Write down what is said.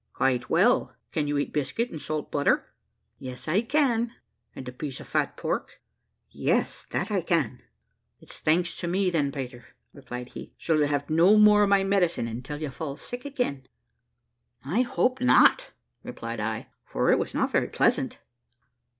"Quite well! Can you eat biscuit and salt butter?" "Yes, I can." "And a piece of fat pork?" "Yes, that I can." "It's thanks to me then, Pater," replied he, "so you'll have no more of my medicine until you fall sick again." "I hope not," replied I, "for it was not very pleasant."